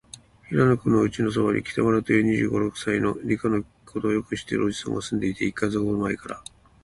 平野君のおうちのそばに、北村という、二十五、六歳の、理科のことをよく知っているおじさんがすんでいて、一月ほどまえから、